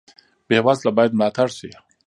بې وزله باید ملاتړ شي